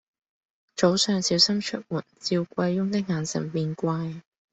早上小心出門，趙貴翁的眼色便怪：